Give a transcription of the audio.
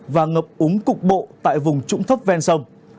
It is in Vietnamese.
và ngập úng cục bộ tại vùng trũng thấp ven sông